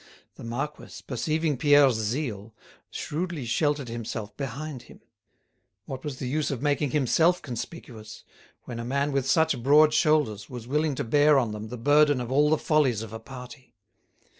The marquis, perceiving Pierre's zeal, shrewdly sheltered himself behind him. What was the use of making himself conspicuous, when a man with such broad shoulders was willing to bear on them the burden of all the follies of a party?